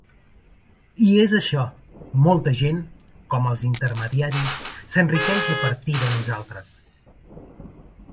I és això, molta gent, com els intermediaris, s’enriqueix a partir de nosaltres.